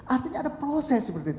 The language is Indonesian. artinya ada proses